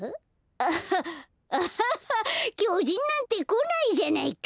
アハッアハハッきょじんなんてこないじゃないか！